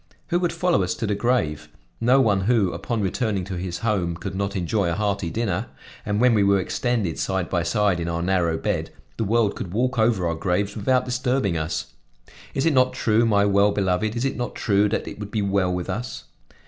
Who would follow us to the grave? No one who, upon returning to his home, could not enjoy a hearty dinner; and when we were extended side by side in our narrow bed, the world could walk over our graves without disturbing us. Is it not true, my well beloved, is it not true that it would be well with us?